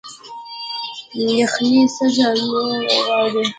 یخني څه جامې غواړي؟